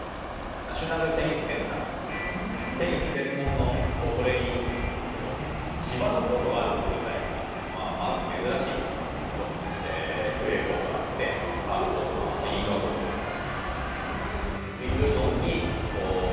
テニス専門のトレーニング施設なんですけど芝のコートがあること自体がまず珍しいことなんですけどクレーコートあってハードコートもあってインドアコートもあると。